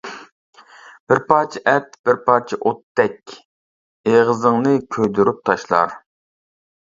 بىر پارچە ئەت بىر پارچە ئوتتەك، ئېغىزىڭنى كۆيدۈرۈپ تاشلار.